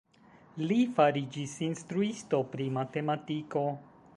Li fariĝis instruisto pri matematiko.